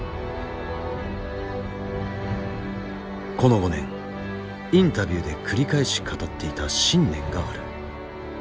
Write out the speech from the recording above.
この５年インタビューで繰り返し語っていた信念がある。